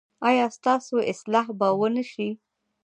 ایا ستاسو اصلاح به و نه شي؟